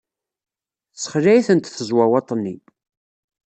Tessexleɛ-itent tezwawaḍt-nni.